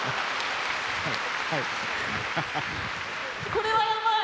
これはやばい！